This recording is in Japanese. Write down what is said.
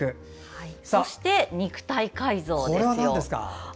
そして肉体改造ですよ。